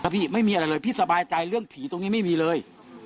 พี่ไม่มีอะไรเลยพี่สบายใจเรื่องผีตรงนี้ไม่มีเลย